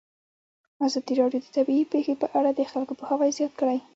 ازادي راډیو د طبیعي پېښې په اړه د خلکو پوهاوی زیات کړی.